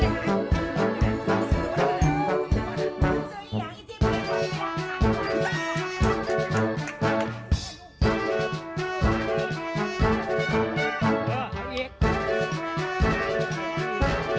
เหลือตั้งน้ำไว้เฮ็ดเจอร์มาสร้างเธอแม่โอ้ยสำหรับเย็ดป่ายุทธ์